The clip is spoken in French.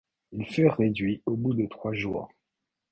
Ils furent réduits au bout de trois jours.